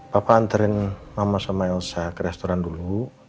papa anterin mama sama elsa ke restoran dulu